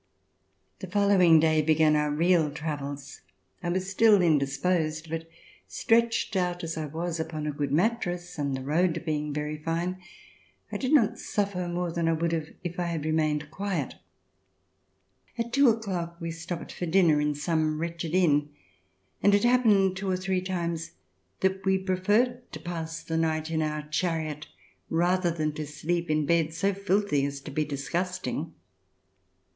The following day began our real travels. I was still indisposed, but, stretched out as I was upon a good mattress, and the road being very fine, I did not sufi^er more than I would have if I had remained quiet. At two o'clock we stopped for dinner in some wretched inn, and it happened two or three times that we preferred to pass the night in our DEPARTURE FOR EUROPE chariot, rather than to sleep in beds so filthy as to be disgusting.